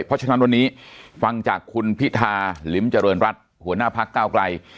เพราะฉะนั้นวันนี้ฟังจากคุณพิธาลิ้มเจริญรัฐหัวหน้าพักเก้าไกล